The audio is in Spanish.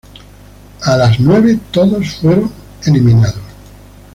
A las nueve todos fueron ejecutados.